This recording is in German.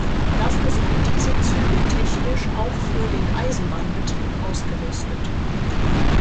Dafür sind diese Züge technisch auch für den Eisenbahnbetrieb ausgerüstet.